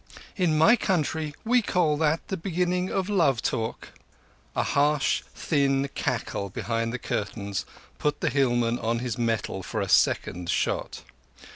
"In_ my_ country we call that the beginning of love talk." A harsh, thin cackle behind the curtains put the hillman on his mettle for a second shot.